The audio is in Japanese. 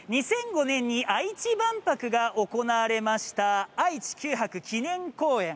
２００５年の愛知万博が行われました愛・地球博記念公園。